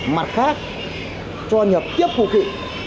mặt khác cho nhập tiếp cụ kỵ